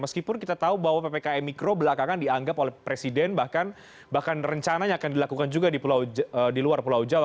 meskipun kita tahu bahwa ppkm mikro belakangan dianggap oleh presiden bahkan rencananya akan dilakukan juga di luar pulau jawa